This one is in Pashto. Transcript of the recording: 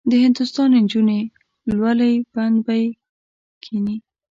د هندوستان نجونې لولۍ بند به دې کیني.